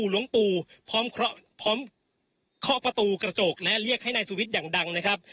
หลวงปู่พร้อมเคาะประตูกระจกนะฮะเรียกให้นายสุวิทย์อย่างดังนะครับ